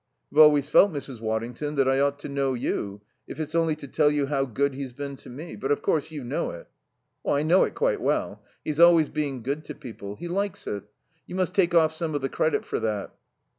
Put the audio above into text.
"I've always felt, Mrs. Waddington, that I ought to know you, if it's only to tell you how good he's been to me. But, of course, you know it." "I know it quite well. He's always being good to people. He likes it. You must take off some of the credit for that."